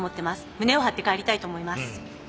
胸を張って帰りたいと思います。